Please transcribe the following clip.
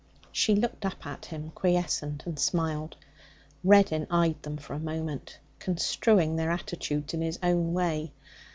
She looked up at him, quiescent, and smiled. Reddin eyed them for a moment, construing their attitudes in his own way.